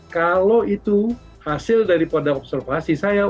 kalau itu hasil dari pada observasi saya